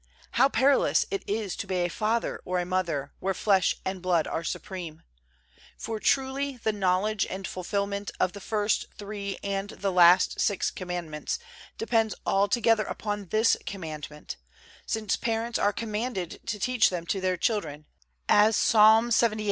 O how perilous it is to be a father or a mother, where flesh and blood are supreme! For, truly, the knowledge and fulfilment of the first three and the last six Commandments depends altogether upon this Commandment; since parents are commanded to teach them to their children, as Psalm lxxviii.